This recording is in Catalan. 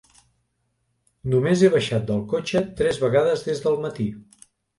Només he baixat del cotxe tres vegades des del matí.